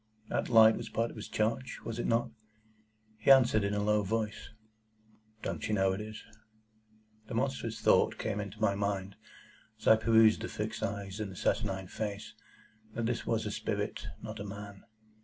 That light was part of his charge? Was it not? He answered in a low voice,—"Don't you know it is?" The monstrous thought came into my mind, as I perused the fixed eyes and the saturnine face, that this was a spirit, not a man.